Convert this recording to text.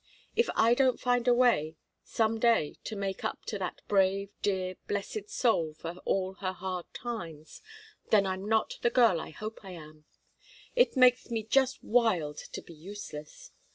If I don't find a way some day to make up to that brave, dear, blessed soul for all her hard times, then I'm not the girl I hope I am. It makes me just wild to be useless!